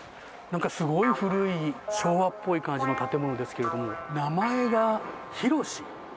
なんかすごい古い昭和っぽい感じの建物ですけれども、名前がひろし？